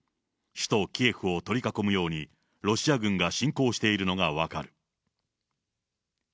首都キエフを取り囲むように、ロシア軍が侵攻しているのが分かる。